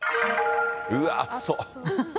うわー、暑そう。